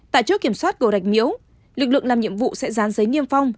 tại chỗ kiểm soát cầu rạch miễu lực lượng làm nhiệm vụ sẽ rán giấy niêm phong